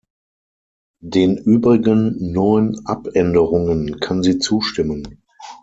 Den übrigen neun Abänderungen kann sie zustimmen.